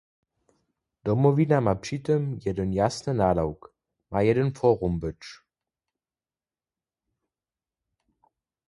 Domowina ma při tym jedyn jasny nadawk, ma jedyn forum być.